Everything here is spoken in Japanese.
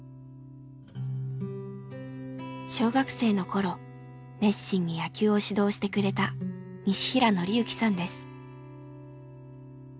小学生の頃熱心に野球を指導してくれた西平憲行さんです。